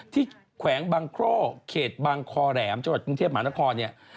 แขวงบางโคร่เขตบางคอแหลมจังหวัดกรุงเทพมหานครเนี่ย